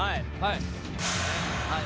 はい。